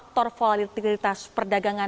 kemudian di dalam perjalanan ke negara